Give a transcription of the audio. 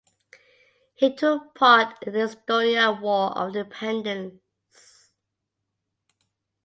He took part in the Estonian War of Independence.